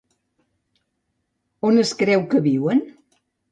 On es creu que viuen?